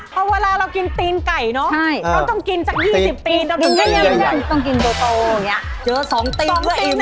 เพราะเวลาเรากินตีนไก่เนอะต้องกินจาก๒๐ตีนแล้วผสมไก่